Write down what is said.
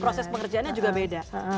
proses pengerjaannya juga beda